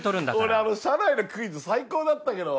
俺あの車内のクイズ最高だったけど。